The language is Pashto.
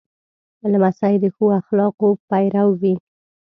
لمسی د ښو اخلاقو پیرو وي.